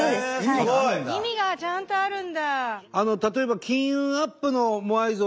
意味がちゃんとあるんだ。